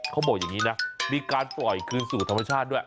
เขาบอกอย่างนี้นะมีการปล่อยคืนสู่ธรรมชาติด้วย